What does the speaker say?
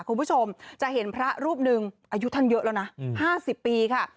คุณผู้ชมจะเห็นพระรูปหนึ่งอายุท่านเยอะแล้วนะ๕๐ปีค่ะ